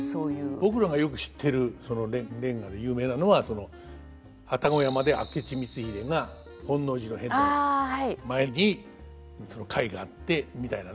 僕らがよく知ってる連歌で有名なのは愛宕山で明智光秀が本能寺の変の前にその会があってみたいなね。